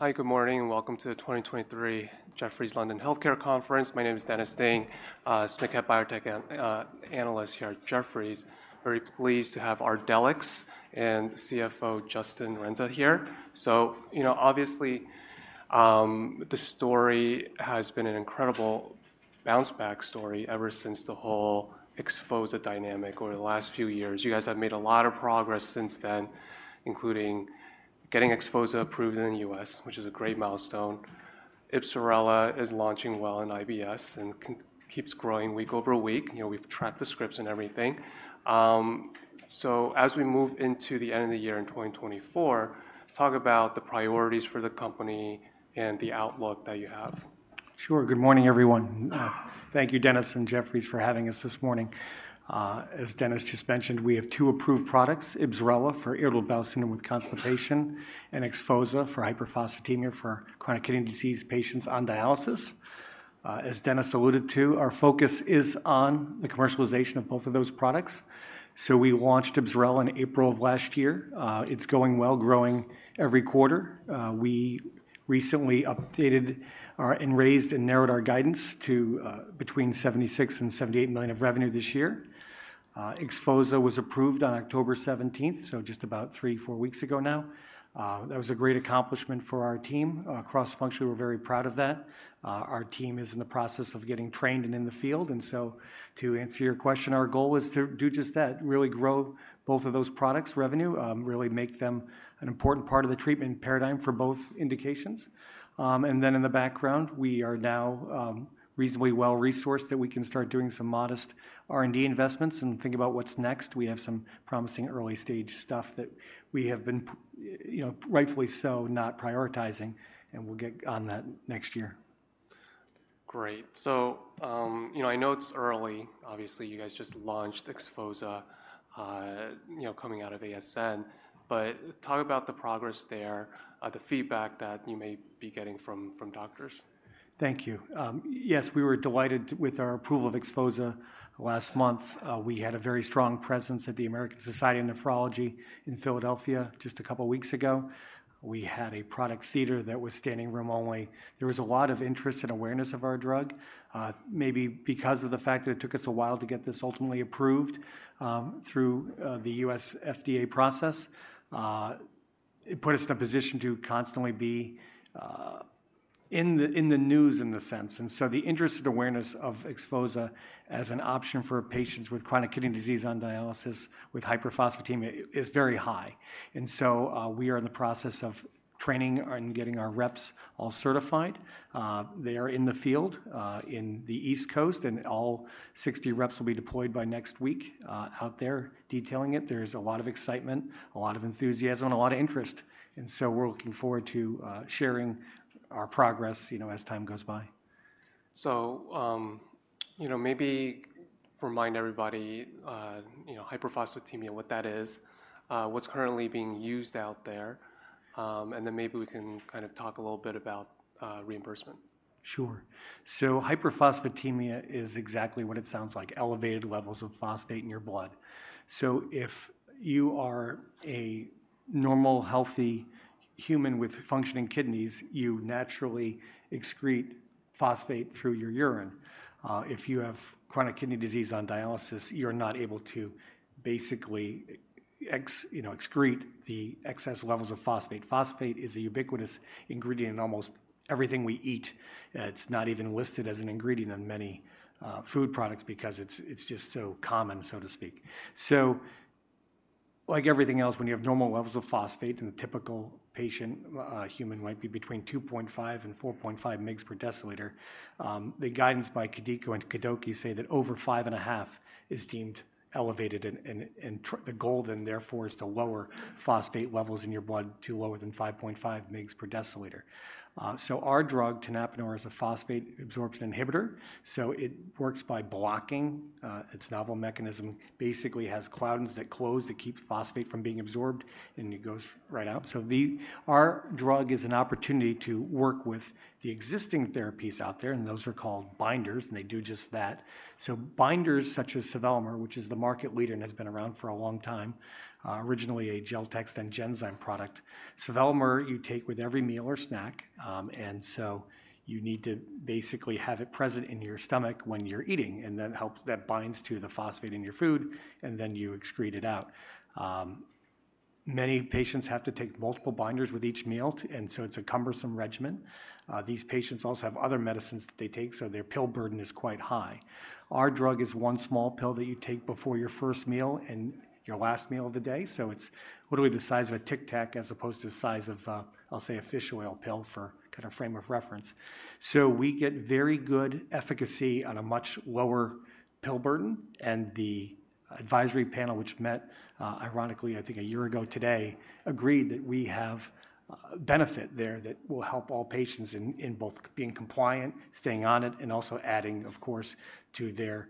Hi, good morning, and welcome to the 2023 Jefferies London Healthcare Conference. My name is Dennis Ding, biotech analyst here at Jefferies. Very pleased to have Ardelyx and CFO Justin Renz here. So, you know, obviously, the story has been an incredible bounce-back story ever since the whole XPHOZAH dynamic over the last few years. You guys have made a lot of progress since then, including getting XPHOZAH approved in the U.S., which is a great milestone. IBSRELA is launching well in IBS and keeps growing week over week. You know, we've tracked the scripts and everything. So as we move into the end of the year in 2024, talk about the priorities for the company and the outlook that you have. Sure. Good morning, everyone. Thank you, Dennis and Jefferies, for having us this morning. As Dennis just mentioned, we have two approved products, IBSRELA for irritable bowel syndrome with constipation and XPHOZAH for hyperphosphatemia for chronic kidney disease patients on dialysis. As Dennis alluded to, our focus is on the commercialization of both of those products. We launched IBSRELA in April of last year. It's going well, growing every quarter. We recently updated our and raised and narrowed our guidance to between $76 million and $78 million of revenue this year. XPHOZAH was approved on October 17, so just about three, four weeks ago now. That was a great accomplishment for our team. Cross-functionally, we're very proud of that. Our team is in the process of getting trained and in the field, and so to answer your question, our goal is to do just that, really grow both of those products' revenue, really make them an important part of the treatment paradigm for both indications. And then in the background, we are now reasonably well-resourced that we can start doing some modest R&D investments and think about what's next. We have some promising early-stage stuff that we have been, you know, rightfully so, not prioritizing, and we'll get on that next year. Great. So, you know, I know it's early. Obviously, you guys just launched XPHOZAH, you know, coming out of ASN, but talk about the progress there, the feedback that you may be getting from doctors. Thank you. Yes, we were delighted with our approval of XPHOZAH last month. We had a very strong presence at the American Society of Nephrology in Philadelphia just a couple of weeks ago. We had a product theater that was standing room only. There was a lot of interest and awareness of our drug, maybe because of the fact that it took us a while to get this ultimately approved, through the U.S. FDA process. It put us in a position to constantly be in the news in the sense. And so the interest and awareness of XPHOZAH as an option for patients with chronic kidney disease on dialysis with hyperphosphatemia is very high. And so, we are in the process of training and getting our reps all certified. They are in the field, in the East Coast, and all 60 reps will be deployed by next week, out there detailing it. There's a lot of excitement, a lot of enthusiasm, a lot of interest, and so we're looking forward to sharing our progress, you know, as time goes by. You know, maybe remind everybody, you know, hyperphosphatemia, what that is, what's currently being used out there, and then maybe we can kind of talk a little bit about reimbursement. Sure. So hyperphosphatemia is exactly what it sounds like, elevated levels of phosphate in your blood. So if you are a normal, healthy human with functioning kidneys, you naturally excrete phosphate through your urine. If you have chronic kidney disease on dialysis, you're not able to basically, you know, excrete the excess levels of phosphate. Phosphate is a ubiquitous ingredient in almost everything we eat. It's not even listed as an ingredient on many food products because it's, it's just so common, so to speak. So like everything else, when you have normal levels of phosphate in a typical patient, human might be between 2.5 mg and 4.5 mg per deciliter. The guidance by KDOQI says that over 5.5 mg per deciliter is deemed elevated, the goal, therefore, is to lower phosphate levels in your blood to lower than 5.5 mg per deciliter. So our drug, tenapanor, is a phosphate absorption inhibitor, so it works by blocking. Its novel mechanism basically has claudins that close, that keep phosphate from being absorbed, and it goes right out. So our drug is an opportunity to work with the existing therapies out there, and those are called binders, and they do just that. So binders such as sevelamer, which is the market leader and has been around for a long time, originally a GelTex and Genzyme product. Sevelamer, you take with every meal or snack, and so you need to basically have it present in your stomach when you're eating, and that binds to the phosphate in your food, and then you excrete it out. Many patients have to take multiple binders with each meal, and so it's a cumbersome regimen. These patients also have other medicines that they take, so their pill burden is quite high. Our drug is one small pill that you take before your first meal and your last meal of the day, so it's literally the size of a Tic Tac as opposed to the size of, I'll say, a fish oil pill for kind of frame of reference. So we get very good efficacy on a much lower pill burden, and the advisory panel, which met, ironically, I think a year ago today, agreed that we have benefit there that will help all patients in both being compliant, staying on it, and also adding, of course, to their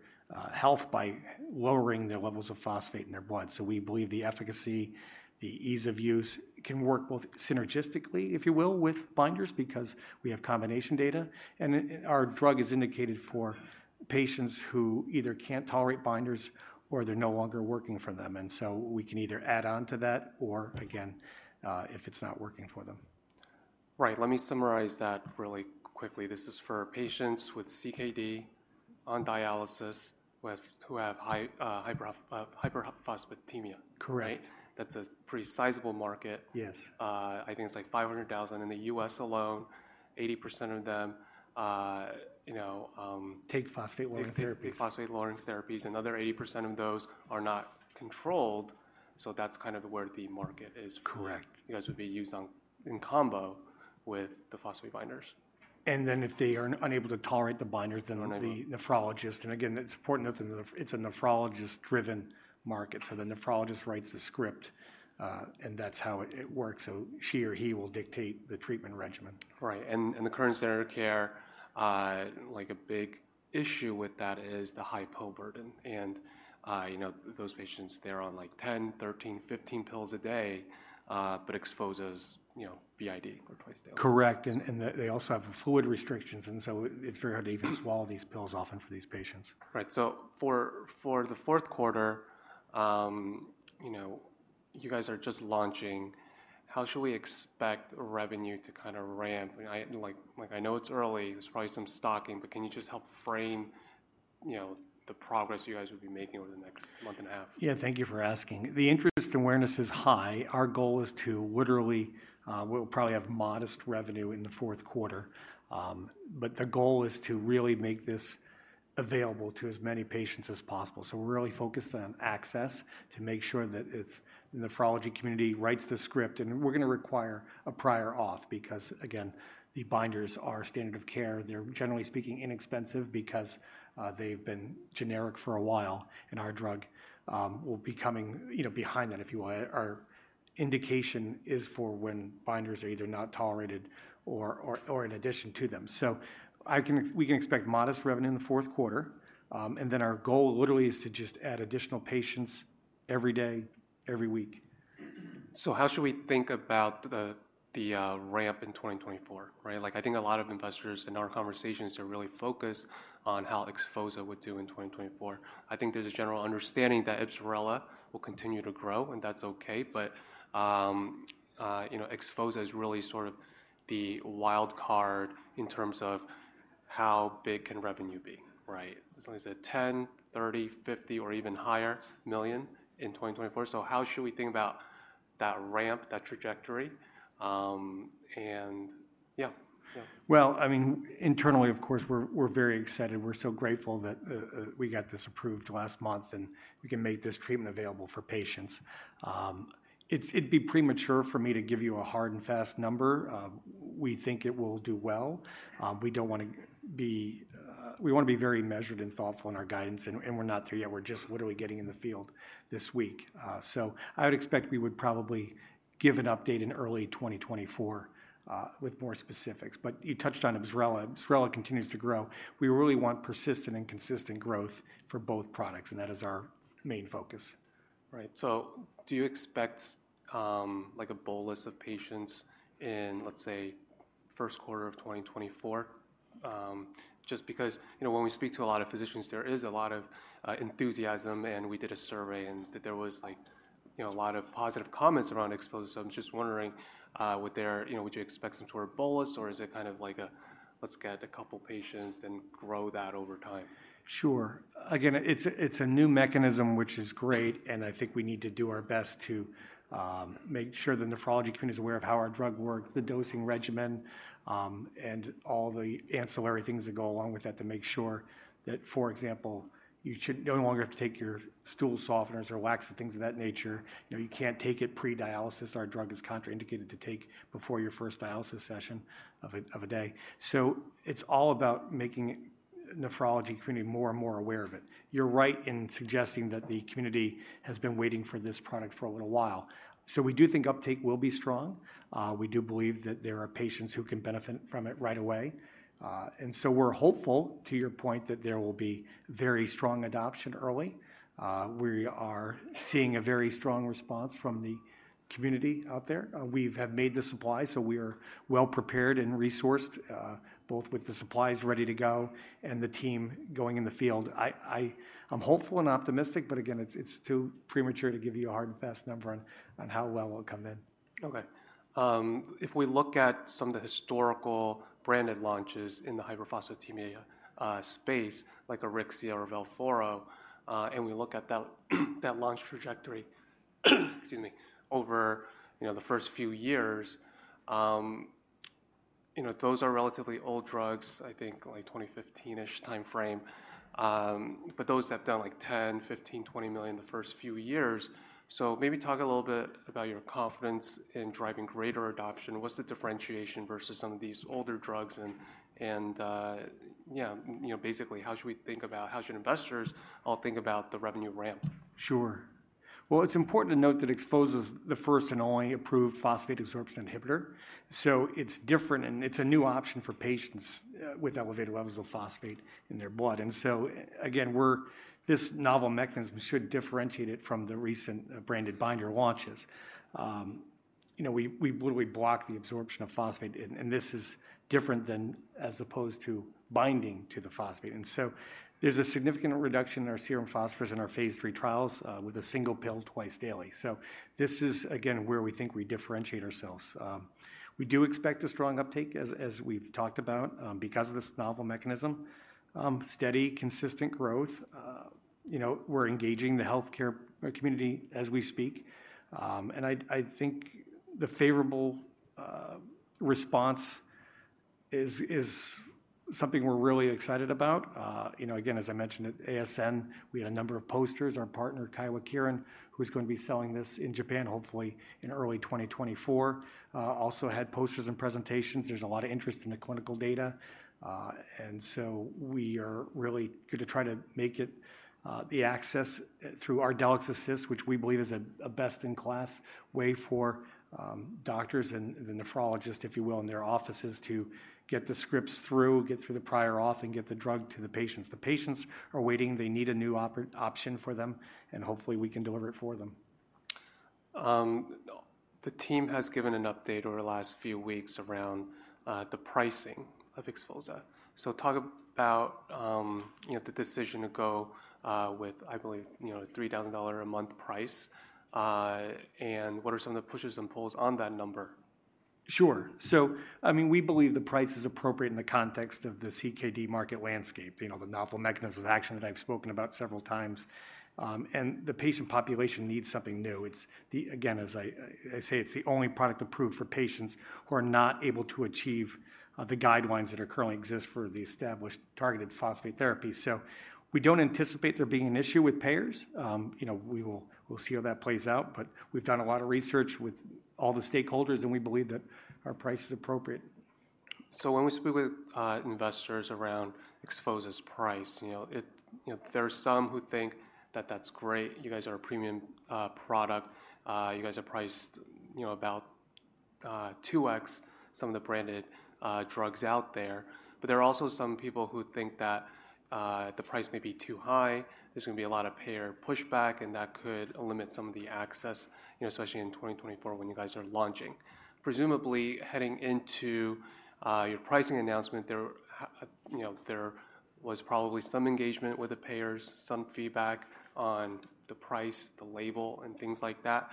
health by lowering their levels of phosphate in their blood. So we believe the efficacy, the ease of use, can work both synergistically, if you will, with binders, because we have combination data, and our drug is indicated for patients who either can't tolerate binders or they're no longer working for them. And so we can either add on to that or, again, if it's not working for them.... Right, let me summarize that really quickly. This is for patients with CKD on dialysis who have high hyperphosphatemia. Correct. Right? That's a pretty sizable market. Yes. I think it's like 500,000 in the U.S. alone. 80% of them, you know, Take phosphate-lowering therapies. Take phosphate-lowering therapies. Another 80% of those are not controlled, so that's kind of where the market is- Correct. You guys would be used on, in combo with the phosphate binders. And then if they are unable to tolerate the binders- Unable then the nephrologist, and again, it's important to note that it's a nephrologist-driven market, so the nephrologist writes the script, and that's how it works. So she or he will dictate the treatment regimen. Right. And the current standard of care, like a big issue with that is the high pill burden. And, you know, those patients, they're on like 10, 13, 15 pills a day, but XPHOZAH's, you know, BID or twice daily. Correct, and they also have fluid restrictions, and so it's very hard to even swallow these pills often for these patients. Right. So for the fourth quarter, you know, you guys are just launching. How should we expect revenue to kind of ramp? I mean, like I know it's early, there's probably some stocking, but can you just help frame, you know, the progress you guys will be making over the next month and a half? Yeah, thank you for asking. The interest and awareness is high. Our goal is to literally. We'll probably have modest revenue in the fourth quarter. But the goal is to really make this available to as many patients as possible. So we're really focused on access to make sure that if the nephrology community writes the script, and we're gonna require a prior auth, because, again, the binders are standard of care. They're, generally speaking, inexpensive because they've been generic for a while, and our drug will be coming, you know, behind that, if you will. Our indication is for when binders are either not tolerated or in addition to them. So we can expect modest revenue in the fourth quarter, and then our goal literally is to just add additional patients every day, every week. So how should we think about the ramp in 2024, right? Like, I think a lot of investors in our conversations are really focused on how XPHOZAH would do in 2024. I think there's a general understanding that IBSRELA will continue to grow, and that's okay, but, you know, XPHOZAH is really sort of the wild card in terms of how big can revenue be, right? So is it $10 million, $30 million, $50 million, or even higher in 2024? So how should we think about that ramp, that trajectory? And yeah. Yeah. Well, I mean, internally, of course, we're very excited. We're so grateful that we got this approved last month, and we can make this treatment available for patients. It'd be premature for me to give you a hard and fast number. We think it will do well. We don't want to be... We want to be very measured and thoughtful in our guidance, and we're not there yet. We're just literally getting in the field this week. So I would expect we would probably give an update in early 2024 with more specifics. But you touched on IBSRELA. IBSRELA continues to grow. We really want persistent and consistent growth for both products, and that is our main focus. Right. So do you expect, like a bolus of patients in, let's say, first quarter of 2024? Just because, you know, when we speak to a lot of physicians, there is a lot of enthusiasm, and we did a survey, and that there was, like, you know, a lot of positive comments around XPHOZAH. So I'm just wondering, you know, would you expect some sort of bolus, or is it kind of like a, "Let's get a couple patients, then grow that over time? Sure. Again, it's a new mechanism, which is great, and I think we need to do our best to make sure the nephrology community is aware of how our drug works, the dosing regimen, and all the ancillary things that go along with that to make sure that, for example, you should no longer have to take your stool softeners or laxatives, things of that nature. You know, you can't take it pre-dialysis. Our drug is contraindicated to take before your first dialysis session of a day. So it's all about making the nephrology community more and more aware of it. You're right in suggesting that the community has been waiting for this product for a little while. So we do think uptake will be strong. We do believe that there are patients who can benefit from it right away. So we're hopeful, to your point, that there will be very strong adoption early. We are seeing a very strong response from the community out there. We've made the supply, so we are well prepared and resourced, both with the supplies ready to go and the team going in the field. I'm hopeful and optimistic, but again, it's too premature to give you a hard and fast number on how well it will come in. Okay. If we look at some of the historical branded launches in the hyperphosphatemia space, like Auryxia or Velphoro, and we look at that, that launch trajectory, excuse me, over, you know, the first few years, you know, those are relatively old drugs, I think like 2015-ish timeframe. But those have done like $10 million, $15 million, $20 million the first few years. So maybe talk a little bit about your confidence in driving greater adoption. What's the differentiation versus some of these older drugs? And, yeah, you know, basically, how should we think about, how should investors all think about the revenue ramp? Sure. Well, it's important to note that XPHOZAH's the first and only approved phosphate absorption inhibitor, so it's different, and it's a new option for patients with elevated levels of phosphate in their blood. And so again, we're this novel mechanism should differentiate it from the recent branded binder launches. You know, we literally block the absorption of phosphate, and this is different than as opposed to binding to the phosphate. And so there's a significant reduction in our serum phosphorus in our phase III trials with a single pill twice daily. So this is again, where we think we differentiate ourselves. We do expect a strong uptake as we've talked about because of this novel mechanism. Steady, consistent growth, you know, we're engaging the healthcare community as we speak. And I think the favorable response is something we're really excited about. You know, again, as I mentioned at ASN, we had a number of posters. Our partner, Kyowa Kirin, who's going to be selling this in Japan, hopefully in early 2024, also had posters and presentations. There's a lot of interest in the clinical data, and so we are really going to try to make it the access through ArdelyxAssist, which we believe is a best-in-class way for doctors and the nephrologist, if you will, in their offices, to get the scripts through, get through the prior auth, and get the drug to the patients. The patients are waiting. They need a new option for them, and hopefully, we can deliver it for them. The team has given an update over the last few weeks around the pricing of XPHOZAH. So talk about, you know, the decision to go with, I believe, you know, $3,000 a month price, and what are some of the pushes and pulls on that number? Sure. So, I mean, we believe the price is appropriate in the context of the CKD market landscape, you know, the novel mechanism of action that I've spoken about several times. And the patient population needs something new. It's the, again, as I, I say, it's the only product approved for patients who are not able to achieve the guidelines that currently exist for the established targeted phosphate therapy. So we don't anticipate there being an issue with payers. You know, we will, we'll see how that plays out, but we've done a lot of research with all the stakeholders, and we believe that our price is appropriate. So when we speak with investors around XPHOZAH's price, you know, it you know, there are some who think that that's great, you guys are a premium product. You guys are priced, you know, about 2x some of the branded drugs out there. But there are also some people who think that the price may be too high. There's gonna be a lot of payer pushback, and that could limit some of the access, you know, especially in 2024 when you guys are launching. Presumably, heading into your pricing announcement there, you know, there was probably some engagement with the payers, some feedback on the price, the label, and things like that.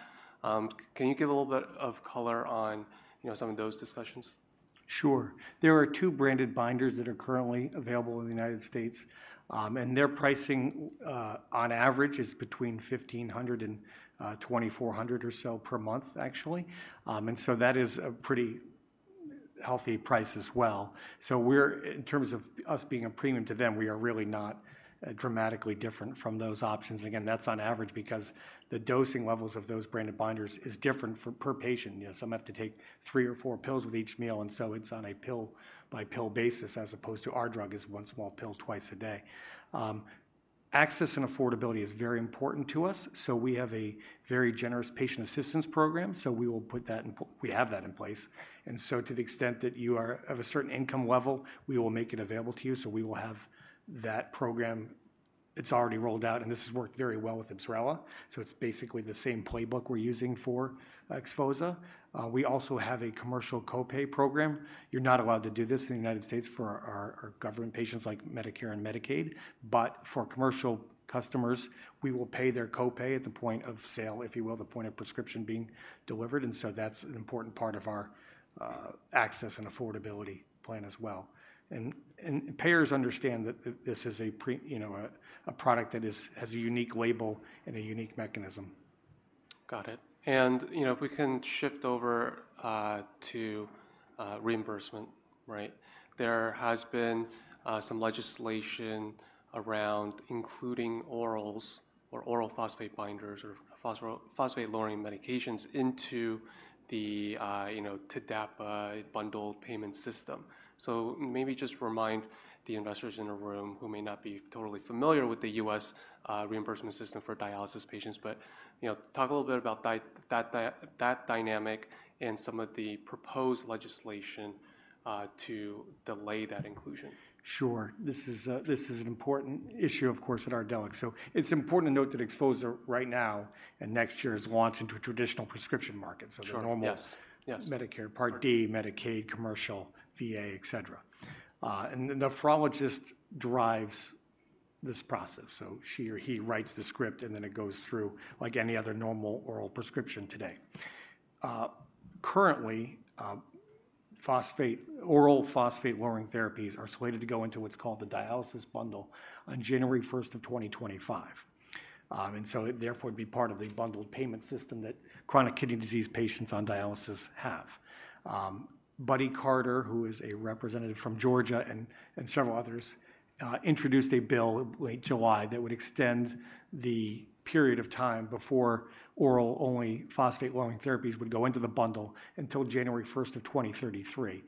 Can you give a little bit of color on, you know, some of those discussions? Sure. There are two branded binders that are currently available in the United States, and their pricing, on average, is between $1,500-$2,400 or so per month, actually. And so that is a pretty healthy price as well. So we're in terms of us being a premium to them, we are really not dramatically different from those options. Again, that's on average because the dosing levels of those branded binders is different for per patient. You know, some have to take three or four pills with each meal, and so it's on a pill by pill basis, as opposed to our drug is one small pill twice a day. Access and affordability is very important to us, so we have a very generous patient assistance program. So we will put that in place, and so to the extent that you are of a certain income level, we will make it available to you. So we will have that program... It's already rolled out, and this has worked very well with IBSRELA, so it's basically the same playbook we're using for XPHOZAH. We also have a commercial co-pay program. You're not allowed to do this in the United States for our government patients like Medicare and Medicaid, but for commercial customers, we will pay their co-pay at the point of sale, if you will, the point of prescription being delivered, and so that's an important part of our access and affordability plan as well. Payers understand that this is a pre- you know, a product that has a unique label and a unique mechanism. Got it. And, you know, if we can shift over to reimbursement, right? There has been some legislation around including orals or oral phosphate binders or phosphate-lowering medications into the, you know, TDAPA bundle payment system. So maybe just remind the investors in the room who may not be totally familiar with the U.S. reimbursement system for dialysis patients, but, you know, talk a little bit about that dynamic and some of the proposed legislation to delay that inclusion. Sure. This is an important issue, of course, at Ardelyx. It's important to note that XPHOZAH right now and next year is launched into a traditional prescription market. Sure. Yes. So the normal- Yes. Medicare Part D, Medicaid, commercial, VA, et cetera. And the nephrologist drives this process, so she or he writes the script, and then it goes through like any other normal oral prescription today. Currently, phosphate oral phosphate-lowering therapies are slated to go into what's called the dialysis bundle on January first of 2025. And so it therefore would be part of the bundled payment system that chronic kidney disease patients on dialysis have. Buddy Carter, who is a representative from Georgia, and several others introduced a bill late July that would extend the period of time before oral-only phosphate-lowering therapies would go into the bundle until January first of 2033.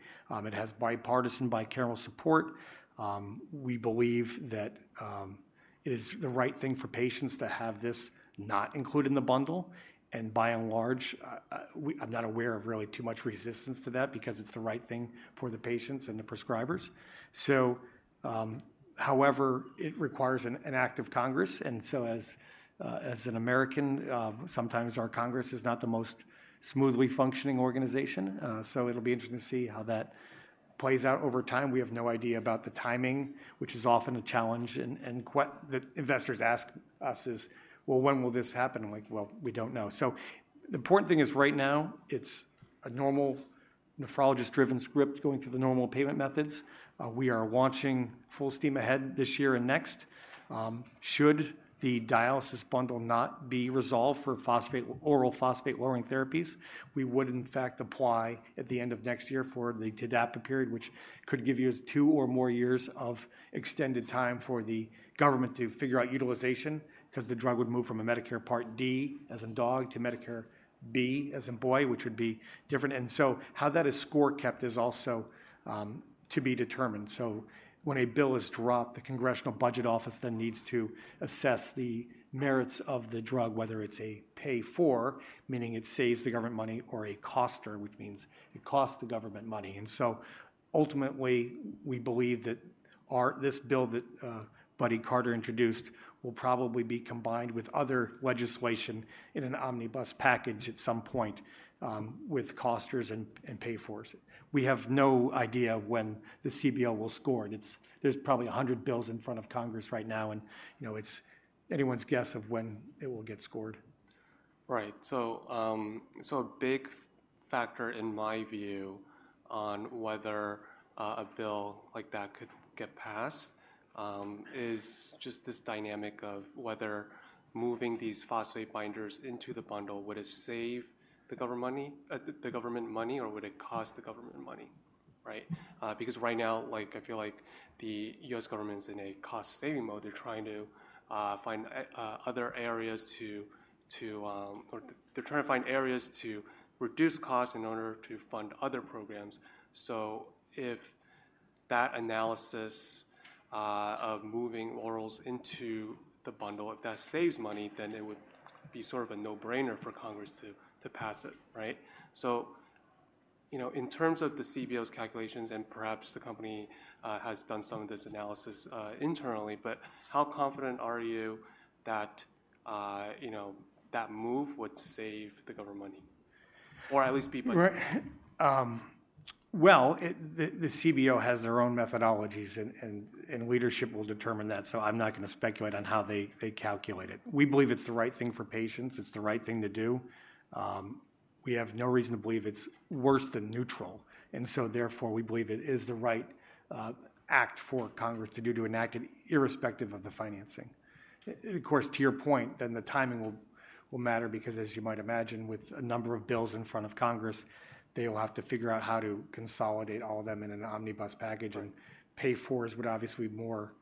It has bipartisan, bicameral support. We believe that it is the right thing for patients to have this not included in the bundle, and by and large, I'm not aware of really too much resistance to that because it's the right thing for the patients and the prescribers. So, however, it requires an act of Congress, and so as an American, sometimes our Congress is not the most smoothly functioning organization. So it'll be interesting to see how that plays out over time. We have no idea about the timing, which is often a challenge, and the question that investors ask us is, "Well, when will this happen?" I'm like, "Well, we don't know." So the important thing is, right now, it's a normal nephrologist-driven script going through the normal payment methods. We are launching full steam ahead this year and next. Should the dialysis bundle not be resolved for phosphate, oral phosphate-lowering therapies, we would, in fact, apply at the end of next year for the TDAPA period, which could give you two or more years of extended time for the government to figure out utilization. 'Cause the drug would move from a Medicare Part D, as in dog, to Medicare B, as in boy, which would be different. And so how that is score kept is also, to be determined. So when a bill is dropped, the Congressional Budget Office then needs to assess the merits of the drug, whether it's a pay for, meaning it saves the government money, or a coster, which means it costs the government money. And so ultimately, we believe that our... This bill that Buddy Carter introduced will probably be combined with other legislation in an omnibus package at some point, with offsets and pay-fors. We have no idea when the CBO will score it. It's. There's probably 100 bills in front of Congress right now, and, you know, it's anyone's guess of when it will get scored. Right. So, a big factor in my view on whether a bill like that could get passed, is just this dynamic of whether moving these phosphate binders into the bundle, would it save the government money, the government money, or would it cost the government money, right? Because right now, like, I feel like the U.S. government's in a cost-saving mode. They're trying to find other areas to reduce costs in order to fund other programs. So if that analysis of moving orals into the bundle, if that saves money, then it would be sort of a no-brainer for Congress to pass it, right? So, you know, in terms of the CBO's calculations, and perhaps the company has done some of this analysis internally, but how confident are you that, you know, that move would save the government money, or at least be- Right. Well, it, the CBO has their own methodologies, and leadership will determine that, so I'm not gonna speculate on how they calculate it. We believe it's the right thing for patients. It's the right thing to do. We have no reason to believe it's worse than neutral, and so therefore, we believe it is the right act for Congress to do, to enact it, irrespective of the financing. Of course, to your point, then the timing will matter because, as you might imagine, with a number of bills in front of Congress, they will have to figure out how to consolidate all of them in an omnibus package- Right... and payors would obviously be more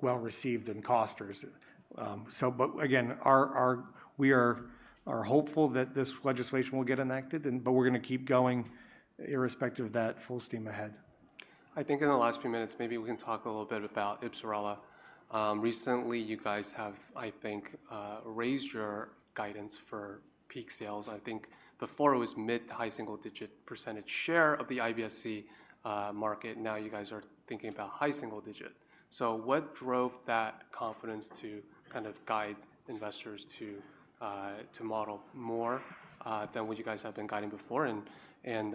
well-received than costers. But again, we are hopeful that this legislation will get enacted and... But we're gonna keep going, irrespective of that, full steam ahead. I think in the last few minutes, maybe we can talk a little bit about IBSRELA. Recently, you guys have, I think, raised your guidance for peak sales. I think before it was mid- to high single-digit % share of the IBS-C market. Now, you guys are thinking about high single-digit %. So what drove that confidence to kind of guide investors to to model more than what you guys have been guiding before? And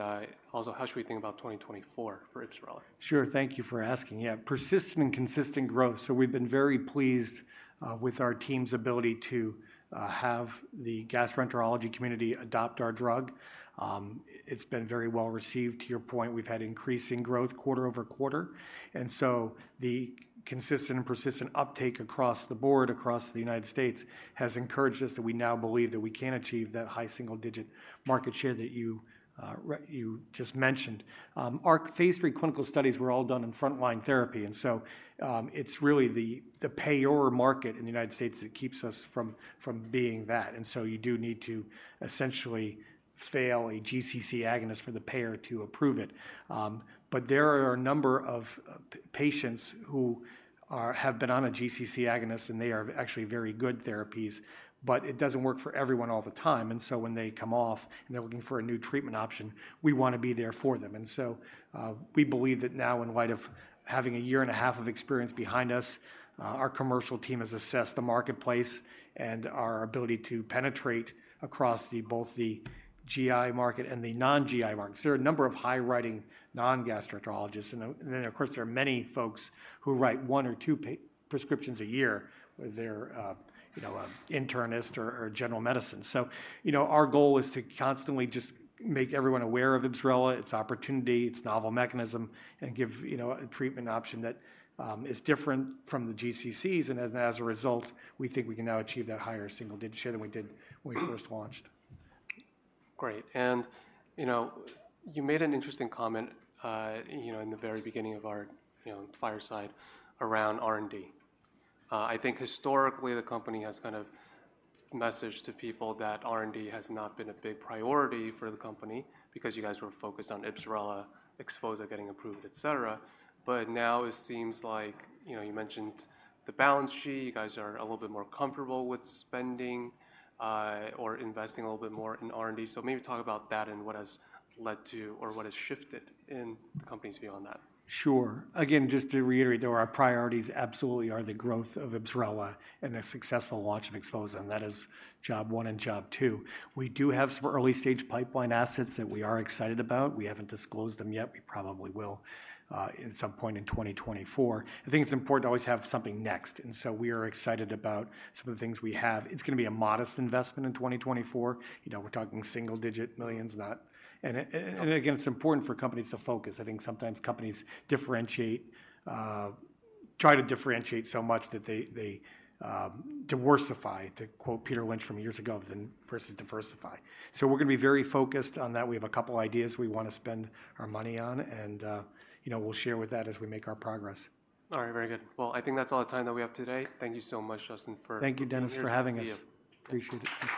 also, how should we think about 2024 for IBSRELA? Sure. Thank you for asking. Yeah, persistent and consistent growth, so we've been very pleased with our team's ability to have the gastroenterology community adopt our drug. It's been very well received. To your point, we've had increasing growth quarter-over-quarter, and so the consistent and persistent uptake across the board, across the United States, has encouraged us that we now believe that we can achieve that high single-digit market share that you just mentioned. Our phase III clinical studies were all done in front-line therapy, and so it's really the payer market in the United States that keeps us from being that. And so you do need to essentially fail a GC-C agonist for the payer to approve it. But there are a number of patients who have been on a GC-C agonist, and they are actually very good therapies, but it doesn't work for everyone all the time. And so when they come off and they're looking for a new treatment option, we wanna be there for them. And so we believe that now, in light of having a year and a half of experience behind us, our commercial team has assessed the marketplace and our ability to penetrate across both the GI market and the non-GI markets. There are a number of high-writing non-gastroenterologists, and then, of course, there are many folks who write one or two prescriptions a year, whether they're you know an internist or general medicine. So, you know, our goal is to constantly just make everyone aware of IBSRELA, its opportunity, its novel mechanism, and give, you know, a treatment option that is different from the GC-Cs. And as a result, we think we can now achieve that higher single-digit share than we did when we first launched. Great. You know, you made an interesting comment, you know, in the very beginning of our, you know, fireside around R&D. I think historically, the company has kind of messaged to people that R&D has not been a big priority for the company because you guys were focused on IBSRELA, XPHOZAH getting approved, et cetera. But now it seems like, you know, you mentioned the balance sheet. You guys are a little bit more comfortable with spending, or investing a little bit more in R&D. So maybe talk about that and what has led to or what has shifted in the company's view on that. Sure. Again, just to reiterate, though, our priorities absolutely are the growth of IBSRELA and the successful launch of XPHOZAH, and that is job one and job two. We do have some early-stage pipeline assets that we are excited about. We haven't disclosed them yet. We probably will at some point in 2024. I think it's important to always have something next, and so we are excited about some of the things we have. It's gonna be a modest investment in 2024. You know, we're talking single-digit millions. Again, it's important for companies to focus. I think sometimes companies differentiate, try to differentiate so much that they diworsify, to quote Peter Lynch from years ago, than versus diversify. So we're gonna be very focused on that. We have a couple ideas we wanna spend our money on, and, you know, we'll share with that as we make our progress. All right, very good. Well, I think that's all the time that we have today. Thank you so much, Justin, for- Thank you, Dennis, for having us. Nice to see you. Appreciate it.